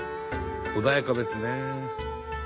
穏やかですね。